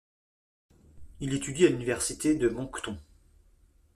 Il étudie à l'Université de Moncton.